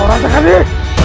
kau rasakan ini